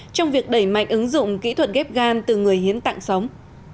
trong việc đẩy mạnh ứng dụng kỹ thuật ghép gan từ người hiến tạng sống